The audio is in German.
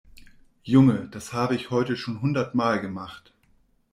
Junge, das habe ich heute schon hundertmal gemacht.